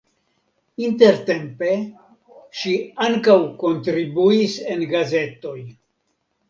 Intertempe ŝi ankaŭ kontribuis en gazetoj.